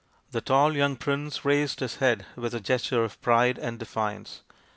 " The tall young prince raised his head with a gesture of pride and defiance.